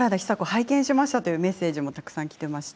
拝見しましたというメッセージもたくさんきています。